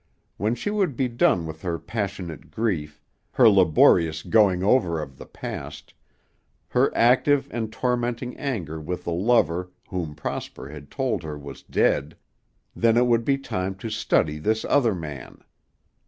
When she would be done with her passionate grief, her laborious going over of the past, her active and tormenting anger with the lover whom Prosper had told her was dead, then it would be time to study this other man.